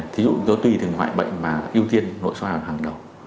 thí dụ như tùy từng loại bệnh mà ưu tiên nội soi hàng đầu